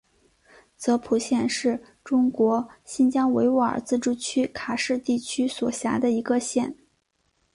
泽普县是中国新疆维吾尔自治区喀什地区所辖的一个县。